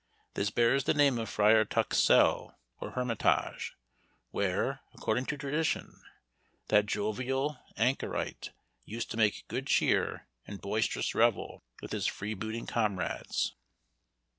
This bears the name of Friar Tuck's cell, or hermitage, where, according to tradition, that jovial anchorite used to make good cheer and boisterous revel with his freebooting comrades.